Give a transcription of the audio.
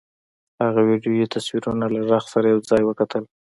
هغه ويډيويي تصويرونه له غږ سره يو ځای وکتل.